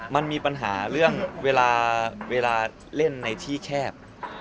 มันมีปัญหาเรื่องเวลาเล่นในที่แคบ